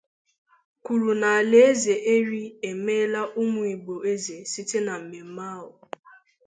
kwuru na alaeze Eri emela ụmụ Igbo eze site na mmemme ahụ